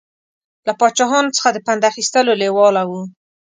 له پاچاهانو څخه د پند اخیستلو لېواله و.